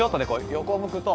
横向くと。